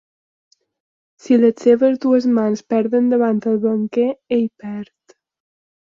Si les seves dues mans perden davant el banquer, ell perd.